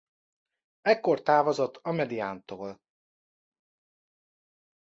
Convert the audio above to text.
Ekkor távozott a Mediántól.